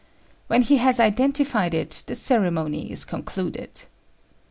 When he has identified it, the ceremony is concluded.